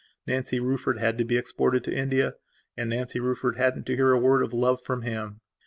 Nancy Rufford had to be exported to India, and Nancy Rufford hadn't to hear a word of love from him.